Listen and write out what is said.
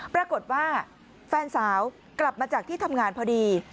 ปรากฏว่าแฟนสาวกลับมาจากที่ทำงานพอดี